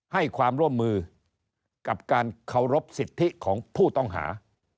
ให้ความร่วมมือกับการเคารพสิทธิของผู้ต้องหา